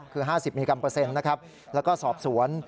คือ๕๐มิลลิกรัมเปอร์เซ็นต์นะครับแล้วก็สอบสวน